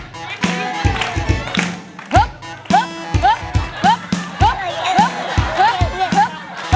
เออ